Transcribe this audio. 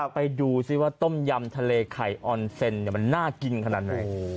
ไปดูซิว่าต้มยำทะเลไข่ออนเซ็นมันน่ากินขนาดไหน